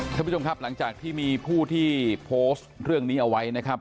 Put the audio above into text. ท่านผู้ชมครับหลังจากที่มีผู้ที่โพสต์เรื่องนี้เอาไว้นะครับ